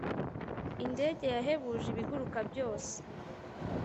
indege yahebuje ibiguruka byose